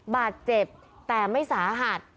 บาดเจ็บแต่ไม่สาหัส